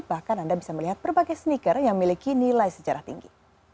bahkan anda bisa melihat berbagai sneaker yang memiliki nilai sejarah tinggi